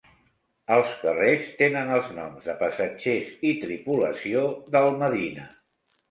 Els carrers tenen els noms de passatgers i tripulació del "Medina".